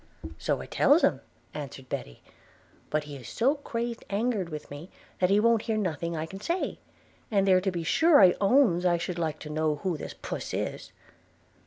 'So I tells him,' answered Betty; 'but he is so crazy anger'd with me that he won't hear nothing I can say – and there to be sure I owns I should like to know who this puss is.'